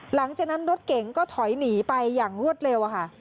หลังจากนั้นรถเก๋งก็ถอยหนีไปอย่างรวดเร็วค่ะ